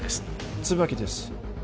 椿です